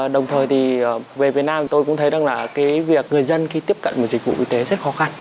đồng thời thì về việt nam tôi cũng thấy rằng là cái việc người dân khi tiếp cận một dịch vụ y tế rất khó khăn